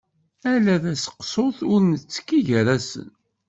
Ala taseqsut, ur nettkki gar-asen.